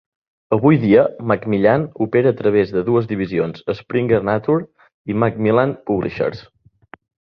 Avui dia, Macmillan opera a través de dues divisions: Springer Nature i Macmillan Publishers.